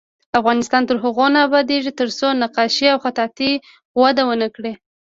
افغانستان تر هغو نه ابادیږي، ترڅو نقاشي او خطاطي وده ونه کړي.